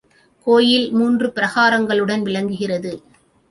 கோயில் மூன்று பிராகாரங்களுடன் விளங்குகிறது.